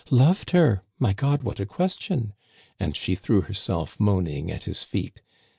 "* Loved her ? My God, what a question !' And she threw herself moaning at his feet.